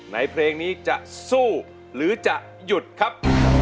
ในเพลงนี้จะสู้หรือจะหยุดครับ